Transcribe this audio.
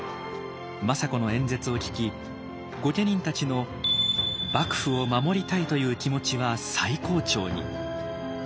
政子の演説を聞き御家人たちの幕府を守りたいという気持ちは最高潮に。